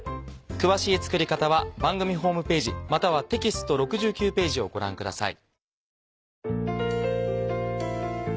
詳しい作り方は番組ホームページまたはテキスト６９ページをご覧ください。